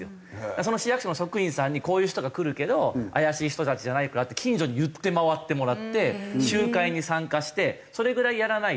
その市役所の職員さんに「こういう人が来るけど怪しい人たちじゃないから」って近所に言って回ってもらって集会に参加してそれぐらいやらないと。